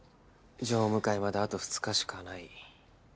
常務会まであと２日しかない。